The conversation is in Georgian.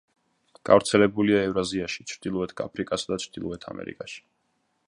გავრცელებულია ევრაზიაში, ჩრდილოეთ აფრიკასა და ჩრდილოეთ ამერიკაში.